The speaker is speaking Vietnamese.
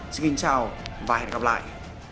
xin chào và hẹn gặp lại